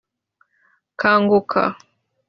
Kanguka